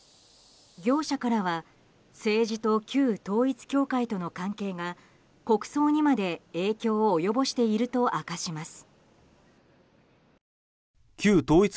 業者からは政治と旧統一教会との関係が国葬にまで影響を及ぼしていると明かします。